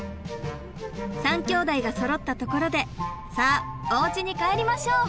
３きょうだいがそろったところでさあおうちに帰りましょう！